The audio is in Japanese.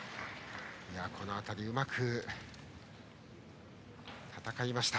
この辺りうまく戦いました。